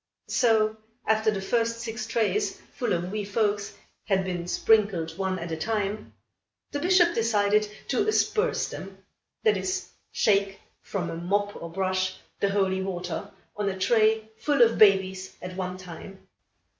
So, after the first six trays full of wee folks had been sprinkled, one at a time, the Bishop decided to "asperse" them, that is, shake, from a mop or brush, the holy water, on a tray full of babies at one time.